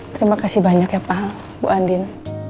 terima kasih banyak ya pak bu andin